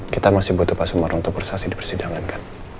kita masih butuh pak sumarno untuk bersaksi di persidangan kan